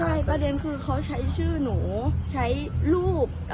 คือประเด็นคือเขาใช้ชื่อหนู